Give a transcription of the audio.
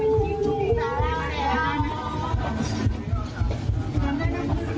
มูกมันกดไอบานแล้วก็ลงทางอีก๑๐นาที